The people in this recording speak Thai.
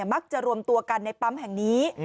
มักจะรวมตัวกันในปั๊มแห่งนี้